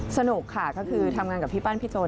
สนุกค่ะก็คือทำงานกับพี่ปั้นพี่โจร